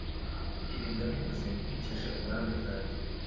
Ibi ndabivuze nkurikije uburambe bwanjye.